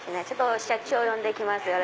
ちょっと社長呼んで来ます。